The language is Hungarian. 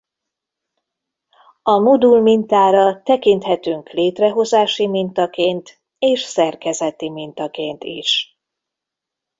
A modul mintára tekinthetünk létrehozási mintaként és szerkezeti mintaként is.